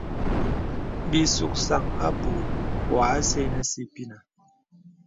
Bì suksan àbùù wɔ asə̀ nə sìpìnə.